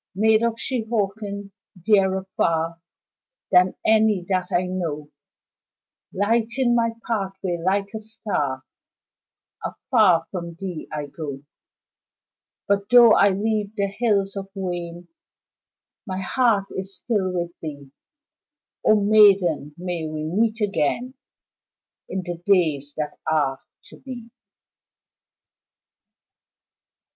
Maid of Shehawken, dearer far Than any that I know, Lighting my pathway like a star, Afar from thee I go, But tho' I leave the Hills of Wayne My heart is still with thee, O maiden, may we meet again In the days that are to be.